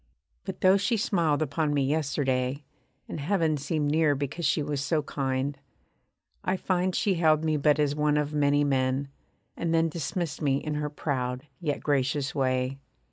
But though she smiled upon me yesterday, And heaven seemed near because she was so kind, I find She held me but as one of many men; and then Dismissed me in her proud, yet gracious way.